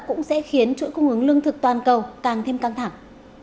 cũng sẽ khiến chuỗi cung ứng lương thực toàn cầu càng thêm căng thẳng